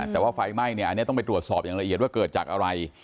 แต่ว่าไฟไหม้เนี่ยอันนี้ต้องไปตรวจสอบอย่างละเอียดว่าเกิดจากอะไร